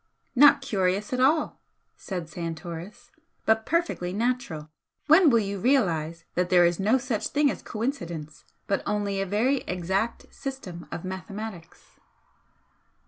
"Not curious at all," said Santoris "but perfectly natural. When will you realise that there is no such thing as 'coincidence' but only a very exact system of mathematics?"